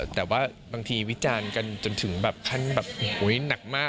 แต่ว่าบางทีวิจารณ์กันจนถึงแบบขั้นแบบหนักมาก